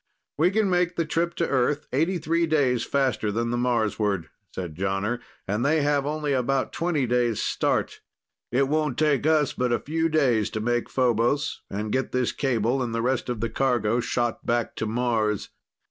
"We can make the trip to Earth 83 days faster than the Marsward," said Jonner, "and they have only about 20 days' start. It won't take us but a few days to make Phobos and get this cable and the rest of the cargo shot back to Mars.